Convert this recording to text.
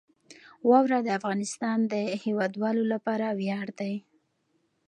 واوره د افغانستان د هیوادوالو لپاره ویاړ دی.